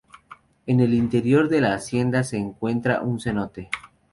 En el interior de la hacienda se encuentra un cenote.